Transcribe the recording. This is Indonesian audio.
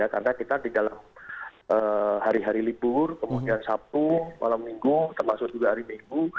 karena kita di dalam hari hari libur kemudian sabtu malam minggu termasuk juga hari minggu